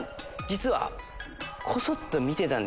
実は。